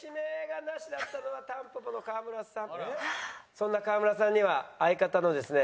そんな川村さんには相方のですね